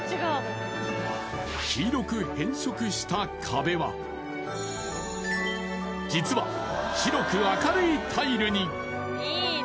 黄色く変色した壁は実は白く明るいタイルに。